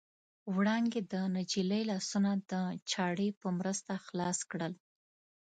وړانګې د نجلۍ لاسونه د چاړې په مرسته خلاص کړل.